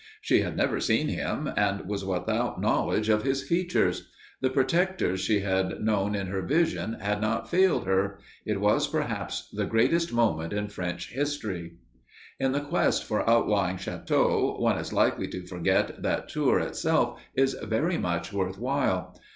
She had never seen him, and was without knowledge of his features. The protectors she had known in her visions had not failed her. It was, perhaps, the greatest moment in French history. In the quest for outlying châteaux, one is likely to forget that Tours itself is very much worth while.